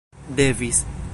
devis